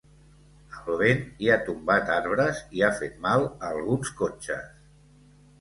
El vent hi ha tombat arbres i ha fet mal a alguns cotxes.